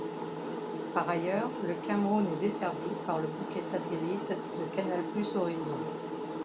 Par ailleurs, le Cameroun est desservi par le bouquet satellite de Canal Plus Horizons.